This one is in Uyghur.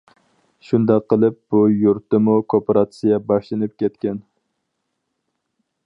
شۇنداق قىلىپ، بۇ يۇرتتىمۇ كوپىراتسىيە باشلىنىپ كەتكەن.